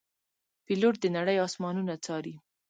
پیلوټ د نړۍ آسمانونه څاري.